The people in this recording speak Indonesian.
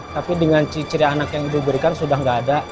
tapi dengan cicirnya anak yang ibu berikan sudah gak ada